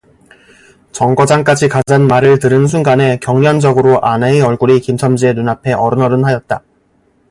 정거장까지 가잔 말을 들은 순간에 경련적으로 아내의 얼굴이 김첨지의 눈앞에 어른어른하였다.